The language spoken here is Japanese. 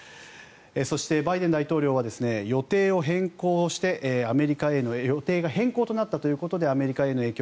そして、バイデン大統領は予定が変更となったということでアメリカへの影響